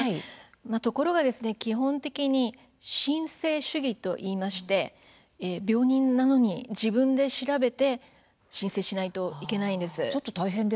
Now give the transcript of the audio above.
ところが基本的に申請主義といいまして病人なのに自分で調べて申請しなくてはならないんです。